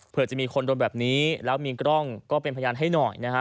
เพื่อจะมีคนโดนแบบนี้แล้วมีกล้องก็เป็นพยานให้หน่อยนะฮะ